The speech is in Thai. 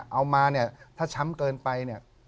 เอามาเนี่ยถ้าช้ำเกินไปเนี่ย